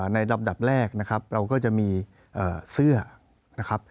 ในลำดับแรกนะครับเราก็จะมีเสื้อนะครับ